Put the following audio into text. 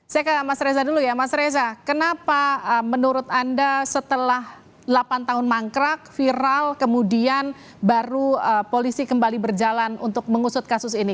saya ke mas reza dulu ya mas reza kenapa menurut anda setelah delapan tahun mangkrak viral kemudian baru polisi kembali berjalan untuk mengusut kasus ini